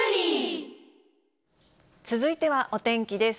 続いてはお天気です。